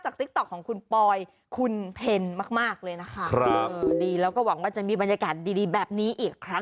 ตาตาตาตาตาตา